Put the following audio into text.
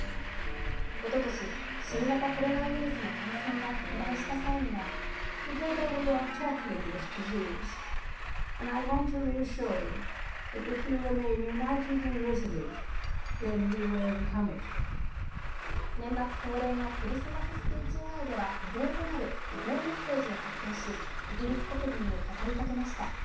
おととし、新型コロナウイルスの感染が拡大した際には年末恒例のクリスマススピーチ以外では異例となるビデオメッセージを発表し、イギリス国民に語りかけました